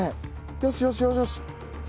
よしよしよしよし！